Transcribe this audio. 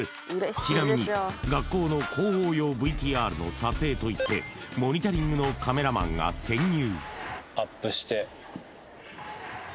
ちなみに学校の広報用ＶＴＲの撮影といって「モニタリング」のカメラマンが潜入。